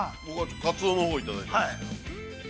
◆かつおのほういただいてます。